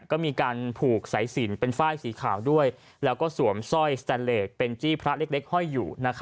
ก็มีการผูกสายสินเป็นฝ้ายสีขาวด้วยแล้วก็สวมสร้อยเป็นจี้พระเล็กเล็กห้อยอยู่นะครับ